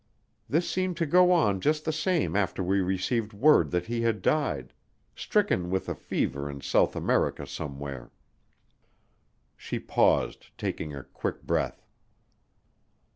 This seemed to go on just the same after we received word that he had died stricken with a fever in South America somewhere." She paused, taking a quick breath.